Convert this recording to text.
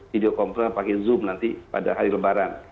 video conference pakai zoom nanti pada hari lebaran